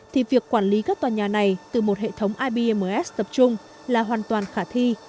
thì việc quản lý các tòa nhà này từ một hệ thống ibms tập trung là hoàn toàn khả thi